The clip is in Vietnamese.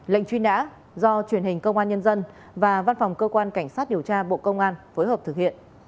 lệnh truy nã do truyền hình công an nhân dân và văn phòng cơ quan cảnh sát điều tra bộ công an phối hợp thực hiện